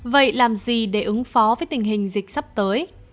vậy làm gì để ứng phó với tình hình dịch sắp tới